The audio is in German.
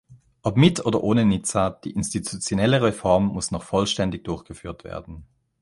Ob mit oder ohne Nizza, die institutionelle Reform muss noch vollständig durchgeführt werden.